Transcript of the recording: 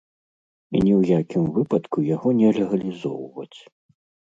І ні ў якім выпадку яго не легалізоўваць.